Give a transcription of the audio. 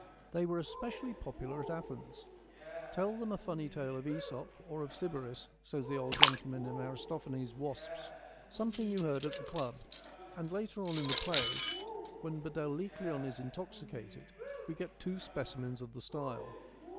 They were especially popular at Athens. ' Tell them a funny tale of ^Esop, or of Sybaris,' says the old gentleman in Aristophanes' ' Wasps,' ' some thing you heard at the club '; and later on in the play, when Bdelycleon is intoxicated, we get two specimens of the style.